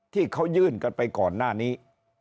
ที่เขายื่นกันไปก่อนหน้านี้